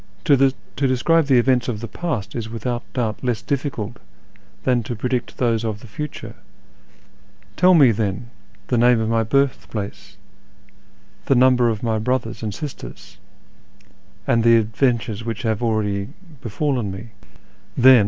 To describe the events of the past is without doubt less difficult than to predict those of the future. Tell me, then, the name of my birthplace, the number of my brothers and sisters, and the adventures which have already befallen 54 ^i YEAR AMONGST THE PERSIANS 1110.